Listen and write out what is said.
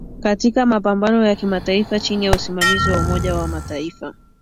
katika mapatano ya kimataifa chini ya usimamizi wa Umoja wa Mataifa